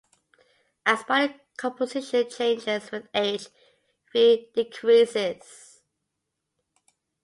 As body composition changes with age, V decreases.